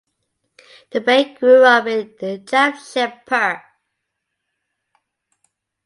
Dubey grew up in Jamshedpur.